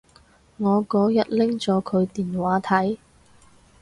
我嗰日拎咗佢電話睇